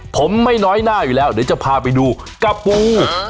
ผมไม่น้อยหน้าอยู่แล้วเดี๋ยวจะพาไปดูกะปู